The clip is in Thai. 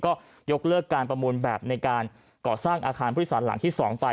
ก็ยกเลิกการประมูลแบบในการก่อสร้างอาคารผู้โดยสารหลังที่๒ไป